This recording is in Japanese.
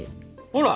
ほら！